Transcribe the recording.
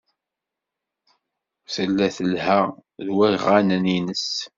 Tella telha ed waɣanen-nnes.